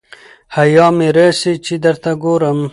حیا مي راسي چي درته ګورم